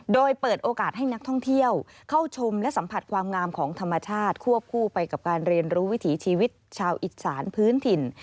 โดยเปิดโอกาสให้นักท่องเที่ยวเข้าชมและสัมผัสความงามของธรรมชาติควบคู่ไปกับการเรียนรู้วิถีชีวิตชาวอิสานพื้นถิ่น